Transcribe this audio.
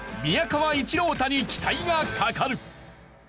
宮川一朗太に期待がかかる！